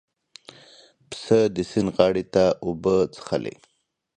پسه د سیند غاړې ته اوبه څښلې.